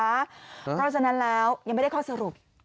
เพราะฉะนั้นแล้วยังไม่ได้ข้อสรุป